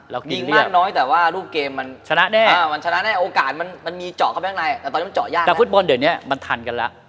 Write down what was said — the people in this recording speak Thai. เรากินเรียบชนะแน่โอกาสมันมีเจาะเข้าไปข้างในแต่ตอนนี้มันเจาะยากแน่แต่ฟุตบอลเดี๋ยวนี้มันถันกันแล้ว